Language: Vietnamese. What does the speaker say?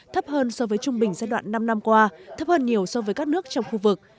thấp hơn so với trung bình giai đoạn năm năm qua thấp hơn nhiều so với các nước trong khu vực